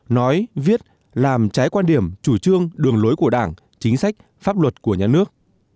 nói viết làm trái quan điểm chủ trương đường lối của đảng chính sách pháp luật của nhà nước